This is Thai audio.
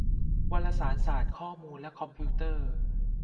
วารสารศาสตร์ ข้อมูล และคอมพิวเตอร์